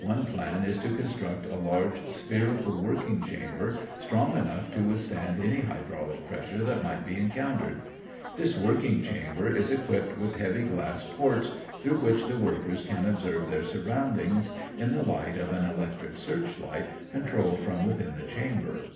One plan is to construct a large spherical working chamber strong enough to withstand any hydraulic pressure that might be encountered. This working chamber is equipped with heavy glass ports through which the workers can observe their surroundings in the light of an electric search light controlled from within the chamber.